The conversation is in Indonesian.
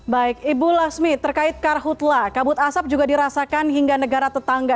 baik ibu lasmi terkait karhutlah kabut asap juga dirasakan hingga negara tetangga